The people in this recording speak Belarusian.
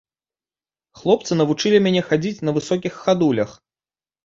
Хлопцы навучылі мяне хадзіць на высокіх хадулях.